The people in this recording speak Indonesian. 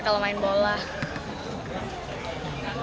kalau main bola